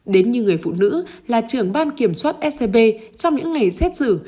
đến như người phụ nữ là trưởng ban kiểm soát scb trong những ngày xét xử